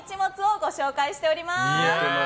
ご紹介しております。